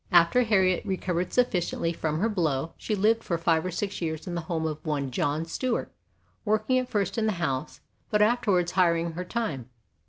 After Harriet recovered sufficiently from her blow she lived for five or six years in the home of one John Stewart, working at first in the house but afterwards hiring her time.